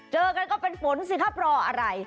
เจอกันก็เป็นฝนสิครับรออะไร